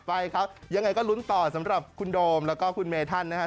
ไปครับยังไงก็ลุ้นต่อสำหรับคุณโดมแล้วก็คุณเมธันนะครับ